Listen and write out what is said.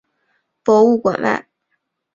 博物馆外